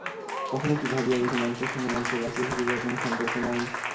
কখনো কি ভাবিয়া দেখি মানুষের সঙ্গে মানুষের বাঁচিয়া থাকিবার কোনো সম্পর্ক নাই?